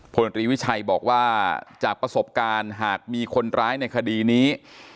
พลตรีวิชัยบอกว่าจากประสบการณ์หากมีคนร้ายในคดีนี้